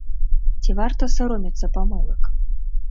Ці варта саромецца памылак?